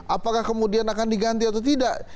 apakah kemudian akan diganti atau tidak